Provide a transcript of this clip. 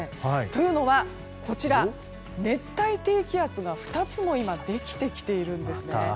というのは、熱帯低気圧が２つも今できてきているんです。